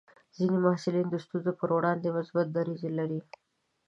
ځینې محصلین د ستونزو پر وړاندې مثبت دریځ لري.